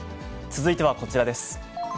続いてはこちらです。